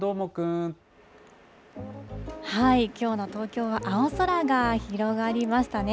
きょうの東京は青空が広がりましたね。